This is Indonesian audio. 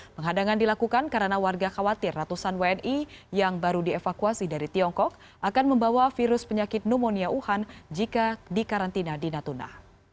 penghadangan dilakukan karena warga khawatir ratusan wni yang baru dievakuasi dari tiongkok akan membawa virus penyakit pneumonia wuhan jika dikarantina di natuna